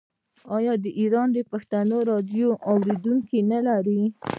آیا د ایران پښتو راډیو اوریدونکي نلري؟